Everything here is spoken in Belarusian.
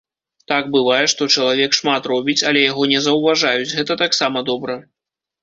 Так бывае, што чалавек шмат робіць, але яго не заўважаюць, гэта таксама добра.